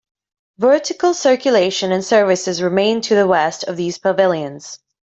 Vertical circulation and services remain to the west of these pavilions.